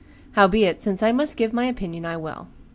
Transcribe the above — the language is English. Howbeit, since I must give my opinion, I will.